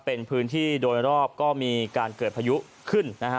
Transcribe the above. เป็นพื้นที่โดยรอบก็มีการเกิดพายุขึ้นนะฮะ